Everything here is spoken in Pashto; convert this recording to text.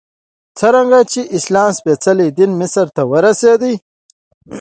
څرنګه چې د اسلام سپېڅلی دین مصر ته ورسېد.